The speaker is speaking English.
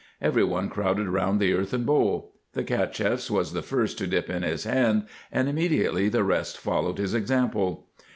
Every one crowded round the earthen bowl : the CachefF was the first to dip in his hand, and immediately the rest followed his example.